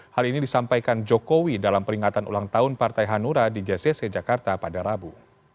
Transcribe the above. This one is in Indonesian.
hal ini disampaikan jokowi dalam peringatan ulang tahun partai hanura di jcc jakarta pada rabu